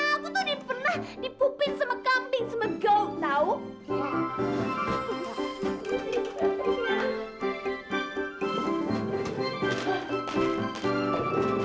aku tuh udah pernah dipupin sama kambing sama gout tau